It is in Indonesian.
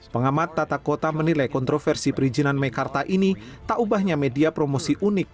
pengamat tata kota menilai kontroversi perizinan mekarta ini tak ubahnya media promosi unik